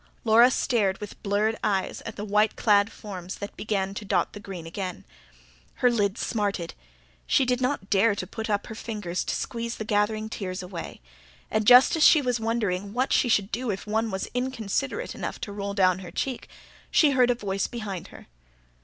Laura stared, with blurred eyes, at the white clad forms that began to dot the green again. Her lids smarted. She did not dare to put up her fingers to squeeze the gathering tears away, and just as she was wondering what she should do if one was inconsiderate enough to roll down her cheek, she heard a voice behind her.